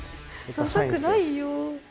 ダサくないよ。